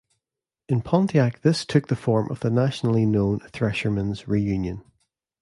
In Pontiac this took the form of the nationally known Threshermen's Reunion.